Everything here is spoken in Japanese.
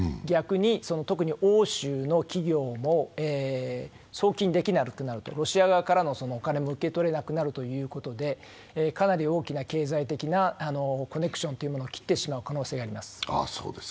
逆に特に欧州の企業も送金できなくなるとロシア側からのお金も受け取れなくなるということでかなり大きな経済的なコネクションというものを切ってしまう可能性があります。